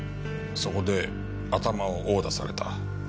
そこで頭を殴打された。